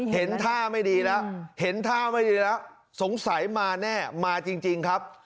เห็นท่าไม่ดีแล้วเห็นท่าไม่ดีแล้วสงสัยมาแน่มาจริงครับ